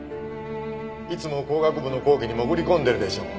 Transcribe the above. いつも工学部の講義に潜り込んでるでしょう。